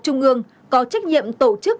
trung ương có trách nhiệm tổ chức